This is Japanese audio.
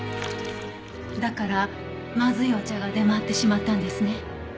だからまずいお茶が出回ってしまったんですね。